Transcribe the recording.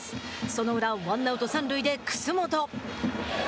その裏、ワンアウト、三塁で楠本。